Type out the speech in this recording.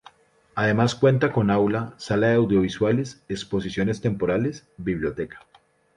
Además cuenta con Aula, Sala de audiovisuales, Exposiciones temporales, Biblioteca.